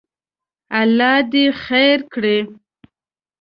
الله دې خیر کړي.